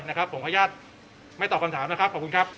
ผมขออนุญาตไม่ตอบคำถามขอบคุณครับ